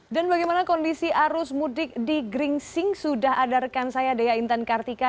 dan bagaimana kondisi arus mudik di geringsing sudah adarkan saya dea intan kartika